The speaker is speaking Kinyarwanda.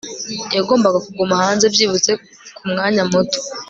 yagombaga kuguma hanze - byibuze kumwanya muto